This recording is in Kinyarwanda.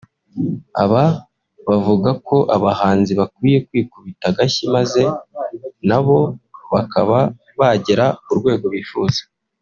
Aba bavuga ko abahanzi bakwiye kwikubita agashyi maze na bo bakaba bagera ku rwego bifuza